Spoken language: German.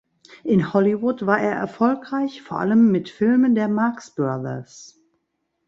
In Hollywood war er erfolgreich, vor allem mit Filmen der Marx Brothers.